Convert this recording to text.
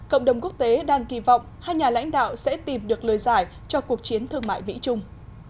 cộng đồng quốc tế đang kỳ vọng hai nhà lãnh đạo sẽ tìm được lời giải cho cuộc chiến thương mại mỹ trung